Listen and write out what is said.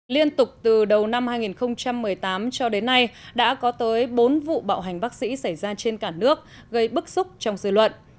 liên tục từ đầu năm hai nghìn một mươi tám cho đến nay đã có tới bốn vụ bạo hành bác sĩ xảy ra trên cả nước gây bức xúc trong dư luận